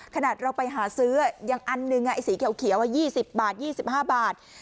ขนาดเราไปหาซื้อยังอันหนึ่งไอ้สีเขียว๒๐บาท๒๕บาท